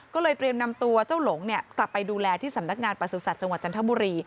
ก็เลยเตรียมนำตัวเจ้าหลงกลับไปดูแลที่สำนักงานประสุทธิ์จังหวัดจันทบุรี